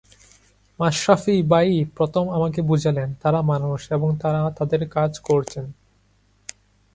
মাশরাফিই ভাই-ই প্রথম আমাকে বোঝালেন, তাঁরা মানুষ এবং তাঁরা তাঁদের কাজ করছেন।